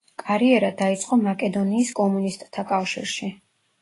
კარიერა დაიწყო მაკედონიის კომუნისტთა კავშირში.